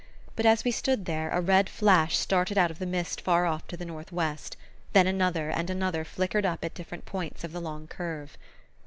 But as we stood there a red flash started out of the mist far off to the northwest; then another and another flickered up at different points of the long curve.